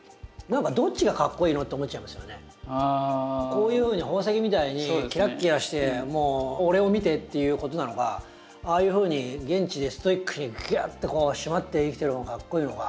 こういうふうに宝石みたいにキラッキラしてもう「俺を見て」っていうことなのかああいうふうに現地でストイックにグワッとこうしまって生きてる方がかっこイイのか。